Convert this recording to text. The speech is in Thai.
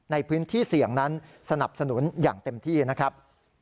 ในพื้นที่เสี่ยงนั้นสนับสนุนอย่างเต็มที่นะครับ